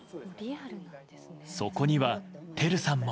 そこには照さんも。